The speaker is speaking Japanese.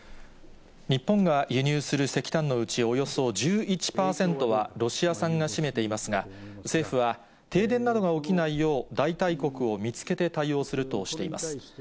日本が輸入する石炭のうち、およそ１１％はロシア産が占めていますが、政府は、停電などが起きないよう、代替国を見つけて対応するとしています。